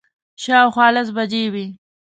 شاوخوا لس بجې وې.